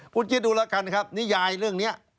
คุณคิดดูแล้วกันครับนิยายเรื่องนี้